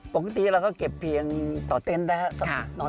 ปกติเราก็เก็บเพียงต่อเต้นศักดิ์